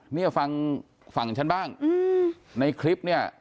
นี่ฟังฉันบ้างในคลิปนี่